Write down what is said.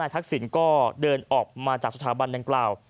ทักษิณก็เดินออกมาจากสถาบันดังกล่าว